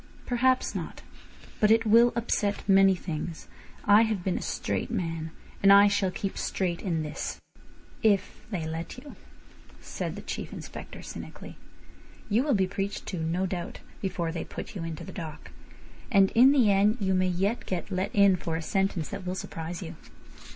"Perhaps not. But it will upset many things. I have been a straight man, and I shall keep straight in this—" "If they let you," said the Chief Inspector cynically. "You will be preached to, no doubt, before they put you into the dock. And in the end you may yet get let in for a sentence that will surprise you.